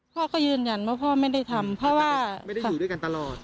พ่อก็ยืนยันว่าพ่อไม่ได้ทำเพราะว่าไม่ได้อยู่ด้วยกันตลอด